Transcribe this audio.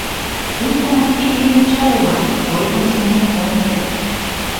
Пуйто мый изи йоча улам, ойгым сеҥен ом керт.